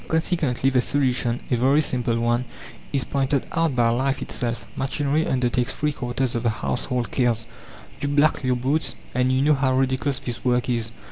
Consequently, the solution, a very simple one, is pointed out by life itself. Machinery undertakes three quarters of the household cares. You black your boots, and you know how ridiculous this work is.